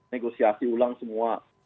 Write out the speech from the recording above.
negosiasi ulang semua